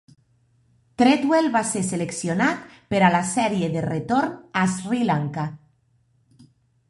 Tredwell va ser seleccionat per a la sèrie de retorn a Sri Lanka.